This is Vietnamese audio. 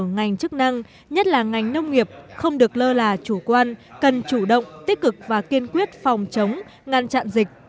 ngành nông nghiệp không được lơ là chủ quan cần chủ động tích cực và kiên quyết phòng chống ngăn chặn dịch